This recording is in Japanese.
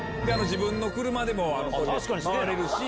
自分の車でも回れるし。